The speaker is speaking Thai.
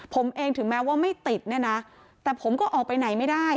ผมเองถึงแม้ว่าไม่ติดเนี่ยนะแต่ผมก็ออกไปไหนไม่ได้